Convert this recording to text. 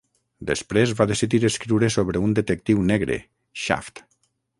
Després va decidir escriure sobre un detectiu negre, "Shaft".